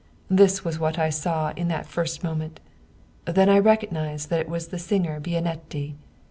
This was what I saw in that first moment. Then I recognized that it was the singer Bianetti."